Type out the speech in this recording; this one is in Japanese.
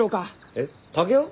えっ竹雄？